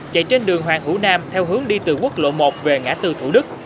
chạy trên đường hoàng hữu nam theo hướng đi từ quốc lộ một về ngã tư thủ đức